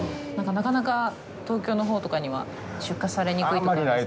なかなか東京のほうとかには出荷されにくいとかなんですかね。